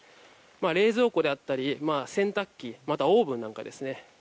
冷蔵庫であったり、洗濯機オーブンなんかですね。